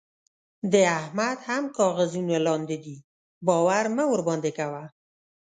د احمد هم کاغذونه لانده دي؛ باور مه ورباندې کوه.